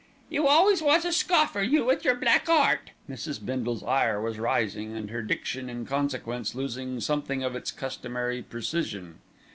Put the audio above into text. "You always was a scoffer, you with your black 'eart." Mrs. Bindle's ire was rising, and her diction in consequence losing something of its customary precision.